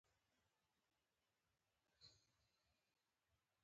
بامیان د افغانستان د ښاري پراختیا یو خورا لوی سبب دی.